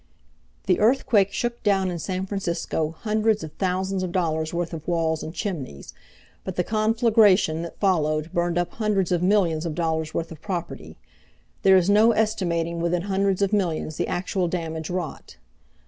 The earthquake shook down in San Francisco hundreds of thousands of dollars worth of walls and chimneys. But the conflagration that followed burned up hundreds of millions of dollars' worth of property There is no estimating within hundreds of millions the actual damage wrought.